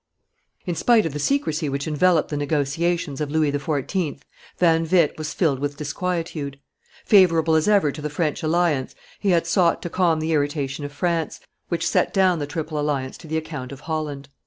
In spite of the secrecy which enveloped the negotiations of Louis XIV., Van Witt was filled with disquietude; favorable as ever to the French alliance, he had sought to calm the irritation of France, which set down the Triple Alliance to the account of Holland.